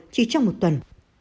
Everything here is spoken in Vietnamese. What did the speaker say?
chỉ trong một tuần